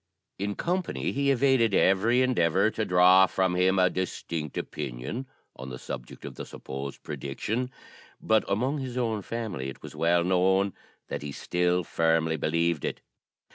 In company he evaded every endeavour to draw from him a distinct opinion on the subject of the supposed prediction; but among his own family it was well known that he still firmly believed it.